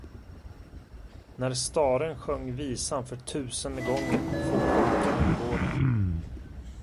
När staren sjöng visan för tusende gången, for pojken över gården.